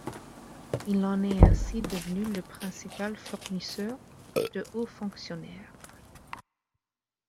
Il en est ainsi devenu le principal fournisseur de hauts fonctionnaires.